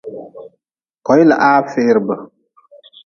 Koilahaa ferbe.